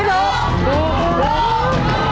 ถูก